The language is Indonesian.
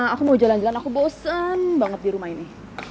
aku mau jalan jalan aku bosen banget di rumah ini